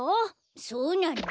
そうなの？